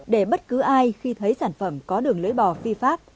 để bất cứ ai khi thấy sản phẩm có đường lưỡi bò phi pháp